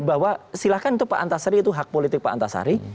bahwa silahkan itu pak antasari itu hak politik pak antasari